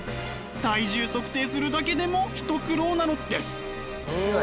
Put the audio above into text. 体重測定するだけでも一苦労なのです。